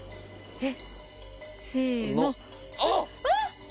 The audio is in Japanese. えっ？